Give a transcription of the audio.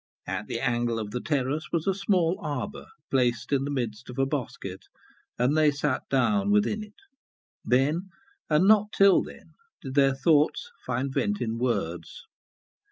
At the angle of the terrace was a small arbour placed in the midst of a bosquet, and they sat down within it. Then, and not till then, did their thoughts find vent in words.